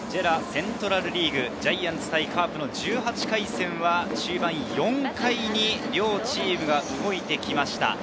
セントラルリーグ、ジャイアンツ対カープの１８回戦は、４回に両チームが動いてきました。